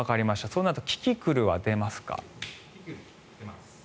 そうなるとキキクルは出ますか。